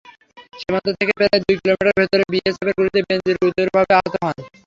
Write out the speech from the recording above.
সীমান্ত থেকে প্রায় দুই কিলোমিটার ভেতরে বিএসএফের গুলিতে বেনজির গুরুতরভাবে আহত হন।